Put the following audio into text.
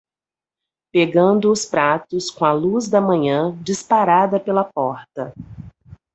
Pegando os pratos com a luz da manhã disparada pela porta